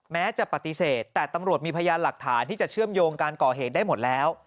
แม้จะปฏิเสธแต่ตำรวจมีพยานหลักฐานที่จะเชื่อมโยงการก่อเหตุได้หมดแล้ว